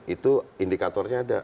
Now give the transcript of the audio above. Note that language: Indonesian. itu indikatornya ada